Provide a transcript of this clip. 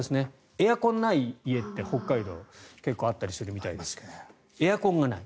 エアコンない家って北海道には結構あったりするみたいですがエアコンがない。